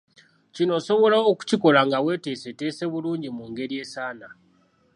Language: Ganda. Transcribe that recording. Kino osobola okukikola nga weeteeseteese bulungi mu ngeri esaana.